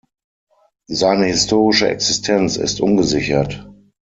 Seine historische Existenz ist ungesichert.